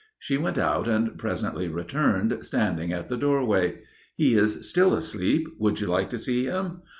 She went out and presently returned, standing at the doorway. "He is still asleep. Would you like to see him?